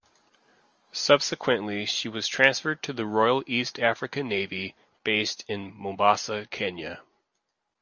Subsequently she was transferred to the Royal East African Navy, based in Mombasa, Kenya.